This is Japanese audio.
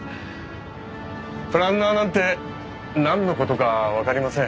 プランナーなんてなんの事かわかりません。